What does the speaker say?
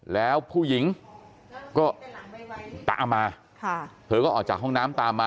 แล้วผู้หญิงก็ตามมาเธอก็ออกจากห้องน้ำตามมา